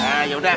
nah ya udah